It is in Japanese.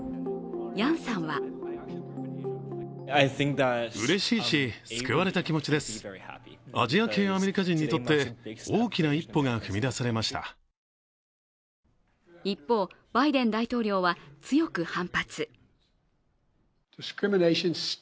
ヤンさんは一方、バイデン大統領は強く反発。